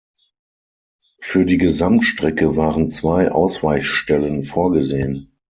Für die Gesamtstrecke waren zwei Ausweichstellen vorgesehen.